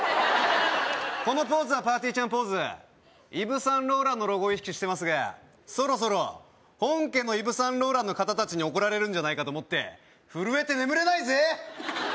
このポーズはぱーてぃーちゃんポーズイヴ・サンローランのロゴを意識してますがそろそろ本家のイヴ・サンローランの方達に怒られるんじゃないかと思って震えて眠れないぜ！